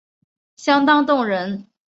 相当动人